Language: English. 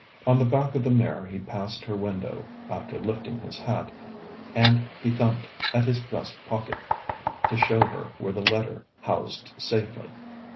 On the back of the mare he passed her window, after lifting his hat, and he thumped at his breast pocket, to show her where the letter housed safely.